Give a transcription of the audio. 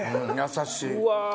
優しい。